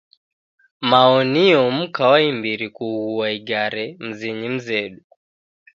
Mao nio mka wa imbiri kugua igare mzinyi mzedu.